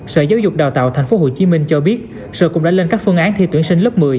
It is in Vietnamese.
sở giáo dục đào tạo tp hcm cho biết sở cũng đã lên các phương án thi tuyển sinh lớp một mươi